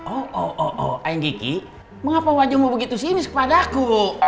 oh oh oh ayang geki mengapa wajahmu begitu sinis kepadaku